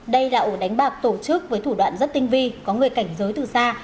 đây là ổ đánh bạc tổ chức với thủ đoạn rất tinh vi có người cảnh giới từ xa